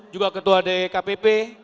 juga ketua dkpp